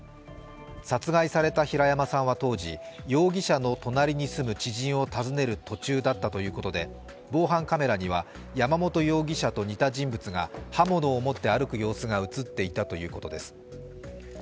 殺害された平山さんは当時、容疑者の隣に住む知人を訪ねる途中だったということで防犯カメラには山本容疑者と似た人物が刃物を持って歩く様子が映っていたということです。